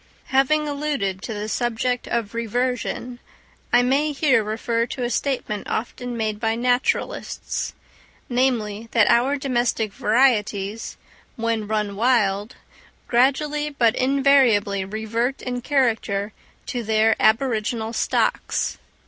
Having alluded to the subject of reversion, I may here refer to a statement often made by naturalists—namely, that our domestic varieties, when run wild, gradually but invariably revert in character to their aboriginal stocks.